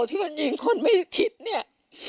ที่มันยิงคนไม่ได้คิดเนี่ย